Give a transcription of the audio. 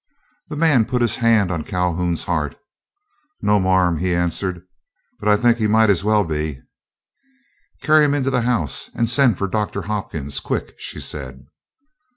The man put his hand on Calhoun's heart. "No, marm," he answered, "but I think he might as well be." "Carry him into the house, and send for Doctor Hopkins, quick," she said.